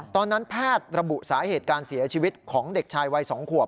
แพทย์ระบุสาเหตุการเสียชีวิตของเด็กชายวัย๒ขวบ